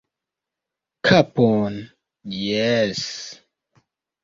Kapon... jes...